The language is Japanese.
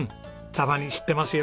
サバニ知ってますよ。